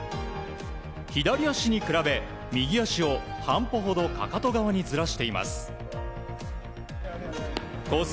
左足に比べ、右足を半歩ほどかかと側にずらしています。